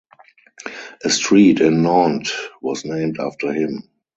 A street in Nantes was named after him.